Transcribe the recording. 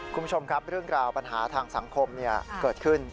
คุณผู้ชมครับเรื่องราวปัญหาทางสังคมเกิดขึ้น